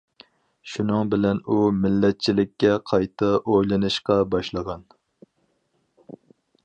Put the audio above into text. شۇنىڭ بىلەن ئۇ مىللەتچىلىككە قايتا ئويلىنىشقا باشلىغان.